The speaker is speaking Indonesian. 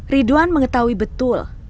ridwan mengetahui betul